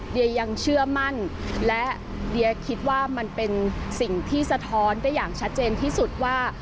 และเรียกคิดว่ามันเป็นสิ่งที่สะท้อนได้อย่างชัดเจนที่สุดว่า